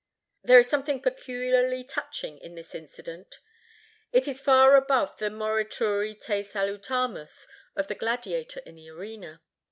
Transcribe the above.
There is something peculiarly touching in this incident. It is far above the morituri te salutamus of the gladiator in the arena.